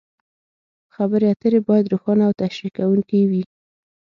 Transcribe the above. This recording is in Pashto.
خبرې اترې باید روښانه او تشریح کوونکې وي.